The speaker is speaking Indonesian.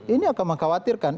ini akan mengkhawatirkan